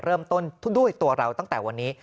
เริ่มต้นด้วยตัวเราตั้งแต่วันนี้